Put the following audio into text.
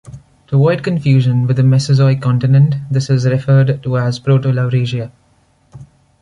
To avoid confusion with the Mesozoic continent, this is referred to as Proto-Laurasia.